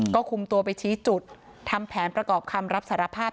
ก็คุมตัวไปชี้จุดทำแผนประกอบคำรับสารภาพ